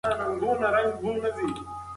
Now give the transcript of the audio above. ستا خبرې زما د لارې لپاره د مشال په څېر وې.